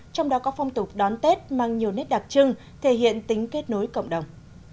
trong đó có phong tục đón tết mang nhiều nét đặc trưng thể hiện tính kết nối cộng đồng